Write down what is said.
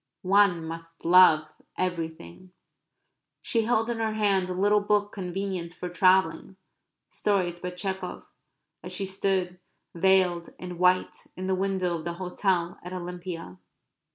"One must love everything." She held in her hand a little book convenient for travelling stories by Tchekov as she stood, veiled, in white, in the window of the hotel at Olympia.